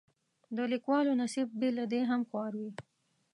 د لیکوالو نصیب بې له دې هم خوار وي.